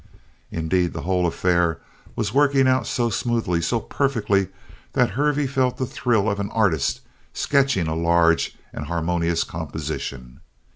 Indeed, the whole affair was working out so smoothly, so perfectly, that Hervey felt the thrill of an artist sketching a large and harmonious composition.